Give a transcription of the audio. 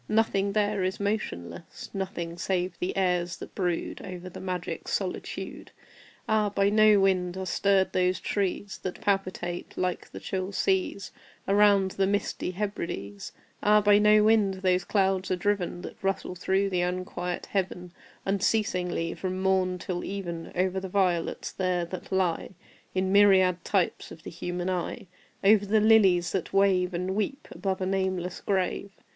Nothing there is motionless Nothing save the airs that brood Over the magic solitude. Ah, by no wind are stirred those trees That palpitate like the chill seas Around the misty Hebrides! Ah, by no wind those clouds are driven That rustle through the unquiet Heaven Unceasingly, from morn till even, Over the violets there that lie In myriad types of the human eye Over the lilies that wave And weep above a nameless grave!